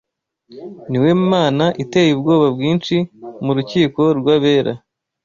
Ni we Mana iteye ubwoba bwinshi mu rukiko rw’abera,